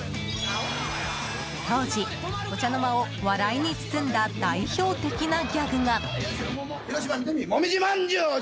当時、お茶の間を笑いに包んだ代表的なギャグが。